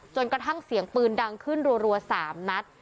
กระทั่งเสียงปืนดังขึ้นรัว๓นัด